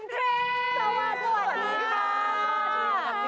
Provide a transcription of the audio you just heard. นี้นะคะ